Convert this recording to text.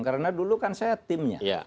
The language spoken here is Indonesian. karena dulu kan saya timnya